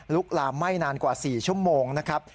ลามไหม้นานกว่า๔ชั่วโมงนะครับ